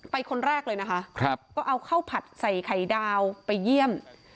คนแรกเลยนะคะก็เอาข้าวผัดใส่ไข่ดาวไปเยี่ยม